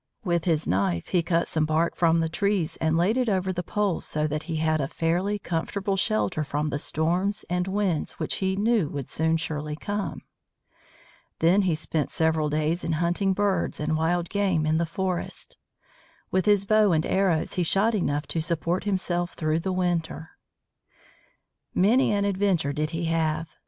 With his knife he cut some bark from the trees and laid it over the poles so that he had a fairly comfortable shelter from the storms and winds which he knew would soon surely come. Then he spent several days in hunting birds and wild game in the forest. With his bow and arrows he shot enough to support himself through the winter. Many an adventure did he have.